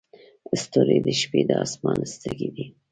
ستوري د شپې د اسمان سترګې دي.